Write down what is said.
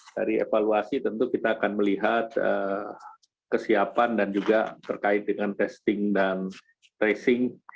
dari evaluasi tentu kita akan melihat kesiapan dan juga terkait dengan testing dan tracing